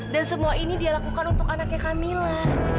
dan semua ini dia lakukan untuk anaknya kamila